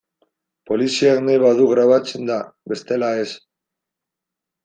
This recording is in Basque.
Poliziak nahi badu grabatzen da, bestela ez.